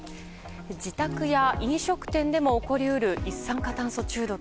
自宅や飲食店でも起こり得る一酸化炭素中毒。